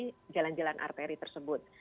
jadi kita harus mencari jalan arteri tersebut